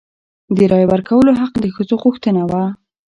د رایې ورکولو حق د ښځو غوښتنه وه.